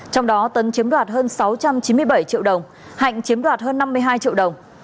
trong đó tấn chiếm đoạt hơn sáu trăm chín mươi bảy triệu đồng hạnh chiếm đoạt hơn năm mươi hai triệu đồng